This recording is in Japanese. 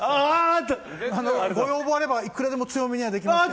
ご要望があればいくらでも強めにできますけど。